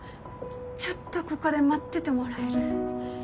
ちょっとここで待っててもらえる？